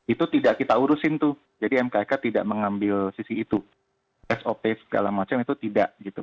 itu tidak kita urusin tuh jadi mkk tidak mengambil sisi itu sop segala macam itu tidak gitu